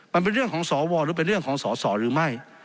มันเป็นเรื่องของสวหรือเป็นเรื่องของสอสอหรือไม่